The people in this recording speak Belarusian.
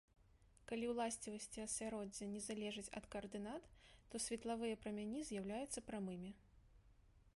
Калі ўласцівасці асяроддзя не залежаць ад каардынат, то светлавыя прамяні з'яўляюцца прамымі.